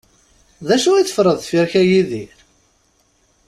D acu i teffreḍ deffir-k, a Yidir?